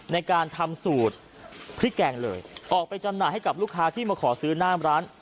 ในการทำสูตรพริกแกงเลยออกไปจำหน่ายให้กับลูกค้าที่มาขอซื้อหน้าร้าน